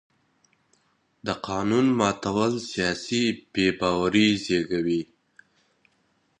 د قانون ماتول سیاسي بې باوري زېږوي